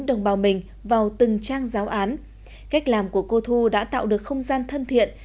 đồng bào mình vào từng trang giáo án cách làm của cô thu đã tạo được không gian thân thiện